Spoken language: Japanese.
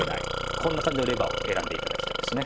こんな感じのレバーを選んで頂きたいですね。